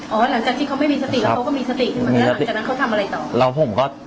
หลังจากที่เขาไม่มีสติแล้วเขาก็มีสติขึ้นมาแล้วหลังจากนั้นเขาทำอะไรต่อแล้วผมก็